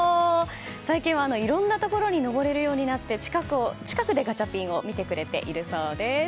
最近はいろんなところに登れるようになって近くでガチャピンを見てくれているそうです。